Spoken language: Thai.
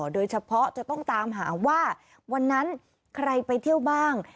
โดยเฉพาะจะต้องตามหาว่าวันนั้นใครไปเที่ยวบ้าง